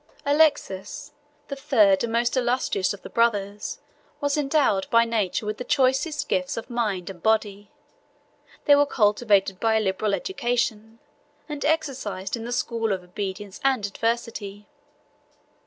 Alexius, the third and most illustrious of the brothers was endowed by nature with the choicest gifts both of mind and body: they were cultivated by a liberal education, and exercised in the school of obedience and adversity.